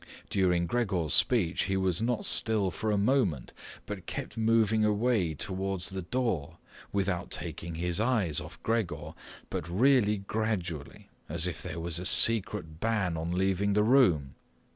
During Gregor's speech he was not still for a moment but kept moving away towards the door, without taking his eyes off Gregor, but really gradually, as if there was a secret ban on leaving the room.